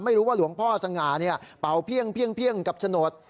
ไม่รู้ว่าหลวงพ่อสง่าเป่าเพี้ยงกับโฉนด